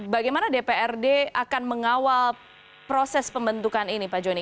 bagaimana dprd akan mengawal proses pembentukan ini pak joni